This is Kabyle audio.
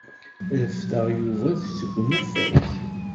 Refdeɣ Yuba seg unafag.